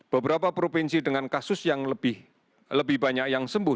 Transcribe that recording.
beberapa provinsi dengan kasus yang lebih banyak yang sembuh